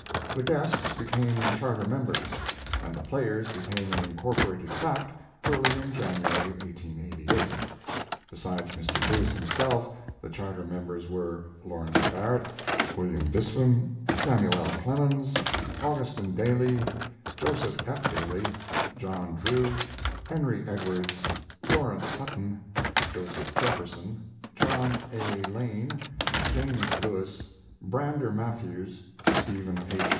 The guests became charter members, and The Players became an incorporated fact early in January, 1888. [Besides Mr. Booth himself, the charter members were: Lawrence Barrett, William Bispham, Samuel L. Clemens, Augustin Daly, Joseph F. Daly, John Drew, Henry Edwards, Laurence Hutton, Joseph Jefferson, John A. Lane, James Lewis, Brander Matthews, Stephen H.